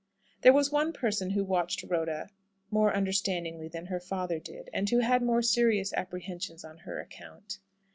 There was one person who watched Rhoda more understandingly than her father did, and who had more serious apprehensions on her account.